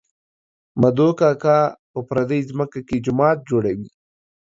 مدو کاکو په پردۍ ځمکه کې جومات جوړوي